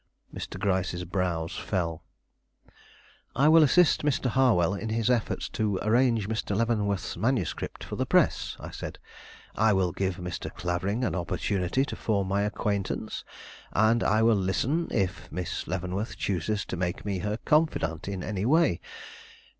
Mr. Gryce's brows fell. "I will assist Mr. Harwell in his efforts to arrange Mr. Leavenworth's manuscript for the press," I said; "I will give Mr. Clavering an opportunity to form my acquaintance; and I will listen, if Miss Leavenworth chooses to make me her confidant in any way.